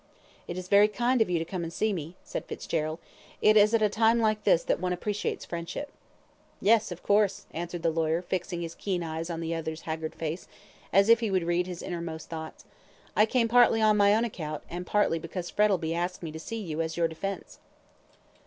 "It is very kind of you to come and see me," said Fitzgerald; "it is at a time like this that one appreciates friendship." "Yes, of course," answered the lawyer, fixing his keen eyes on the other's haggard face, as if he would read his innermost thoughts. "I came partly on my own account, and partly because Frettlby asked me to see you as to your defence."